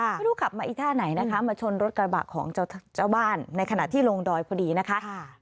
ไม่รู้ขับมาอีกท่าไหนนะคะมาชนรถกระบะของเจ้าบ้านในขณะที่ลงดอยพอดีนะคะ